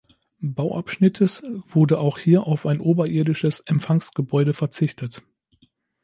Bauabschnittes wurde auch hier auf ein oberirdisches Empfangsgebäude verzichtet.